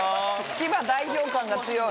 千葉代表感が強い。